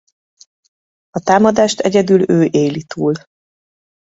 A támadást egyedül ő éli túl.